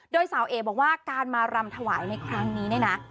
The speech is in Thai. โดยสาวเอ๋บอกว่าการมารำถวายในครั้งนี้เนี่ยนะ